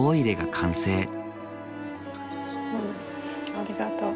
うんありがとう。